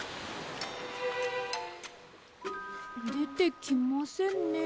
でてきませんね。